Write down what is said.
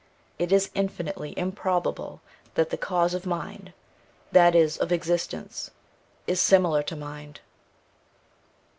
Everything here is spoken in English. It is infinitely improbable that the cause of mind, that is, of existence, is similar to mind.